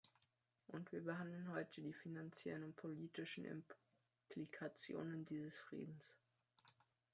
Und wir behandeln heute die finanziellen und politischen Implikationen dieses Friedens.